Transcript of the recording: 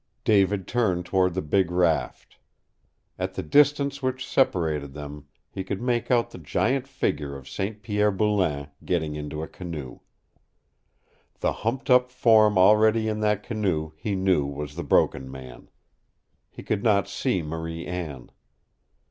David turned toward the big raft. At the distance which separated them he could make out the giant figure of St. Pierre Boulain getting into a canoe. The humped up form already in that canoe he knew was the Broken Man. He could not see Marie Anne.